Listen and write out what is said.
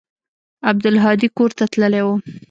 عبدالهادي کور ته تللى و.